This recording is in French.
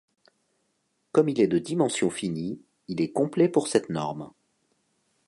Comme il est de dimension finie, il est complet pour cette norme.